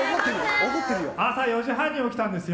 朝４時半に起きたんですよ